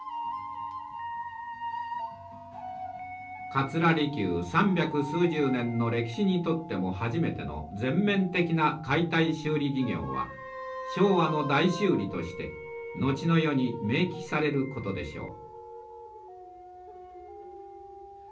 桂離宮三百数十年の歴史にとっても初めての全面的な解体修理事業は昭和の大修理として後の世に銘記されることでしょう。